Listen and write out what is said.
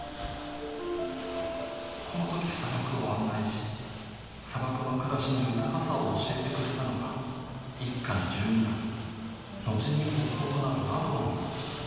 この時砂漠を案内し砂漠の暮らしの豊かさを教えてくれたのが一家の十二男後に夫となるラドワンさんでした